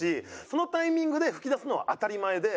そのタイミングで吹き出すのは当たり前で。